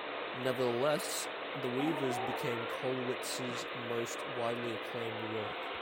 Nevertheless, "The Weavers" became Kollwitz' most widely acclaimed work.